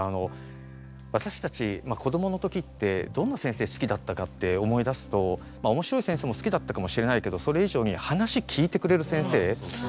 私たち子供のときってどんな先生好きだったかって思い出すと、おもしろい先生も好きだったかもしれないけどそれ以上に話聞いてくれる先生。